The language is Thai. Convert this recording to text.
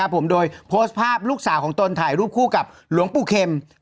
ผมโดยโพสต์ภาพลูกสาวของตนถ่ายรูปคู่กับหลวงปู่เข็ม